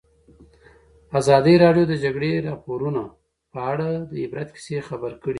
ازادي راډیو د د جګړې راپورونه په اړه د عبرت کیسې خبر کړي.